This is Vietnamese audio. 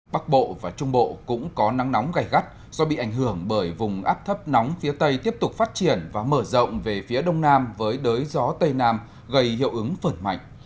bắc bộ và trung bộ cũng có nắng nóng gây gắt do bị ảnh hưởng bởi vùng áp thấp nóng phía tây tiếp tục phát triển và mở rộng về phía đông nam với đới gió tây nam gây hiệu ứng phần mạnh